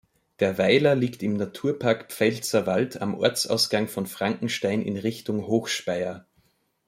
Der Weiler liegt im Naturpark Pfälzerwald am Ortsausgang von Frankenstein in Richtung Hochspeyer.